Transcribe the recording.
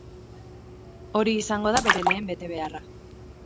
Hori izango da bere lehen betebeharra.